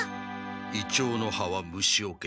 イチョウの葉は虫よけだ。